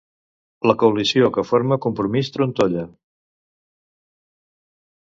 La coalició que forma Compromís trontolla.